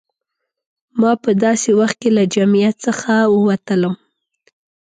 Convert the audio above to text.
ما په داسې وخت کې له جمعیت څخه ووتلم.